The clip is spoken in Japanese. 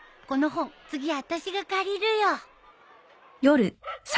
この本次あたしが借りるよ。